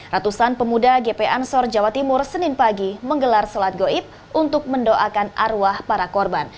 ratusan pemuda gp ansor jawa timur senin pagi menggelar sholat goib untuk mendoakan arwah para korban